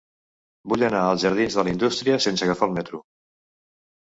Vull anar als jardins de la Indústria sense agafar el metro.